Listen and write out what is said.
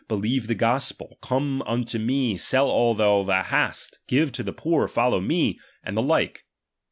Believe the Gospel, Come unto vie. Sell all ' that thou hast. Give to the poor. Follow me ; and iiieiit' the like